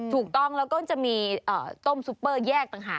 ถูกต้องแล้วก็จะมีต้มซุปเปอร์แยกต่างหาก